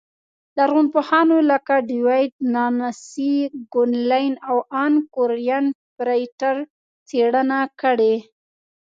لرغونپوهانو لکه ډېوېډ، نانسي ګونلین او ان کورېن فرېټر څېړنه کړې